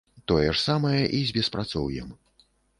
Тое ж самае і з беспрацоўем.